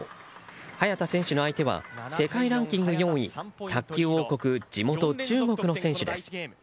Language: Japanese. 早田選手の相手は世界ランキング４位卓球王国、地元・中国の選手です。